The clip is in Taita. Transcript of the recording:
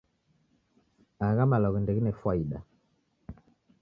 Agha malagho ndeghine fwaida